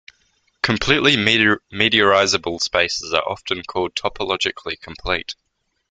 Completely metrizable spaces are often called "topologically complete".